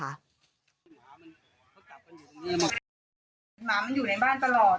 หมามันอยู่ในบ้านตลอด